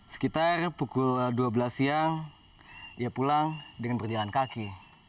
sekitar pukul dua belas siang ia pulang dengan berjalan kaki